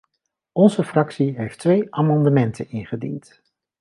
Onze fractie heeft twee amendementen ingediend.